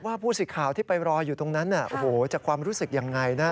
ผู้สิทธิ์ข่าวที่ไปรออยู่ตรงนั้นโอ้โหจากความรู้สึกยังไงนะ